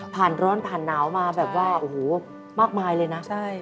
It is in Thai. ร้อนผ่านหนาวมาแบบว่าโอ้โหมากมายเลยนะ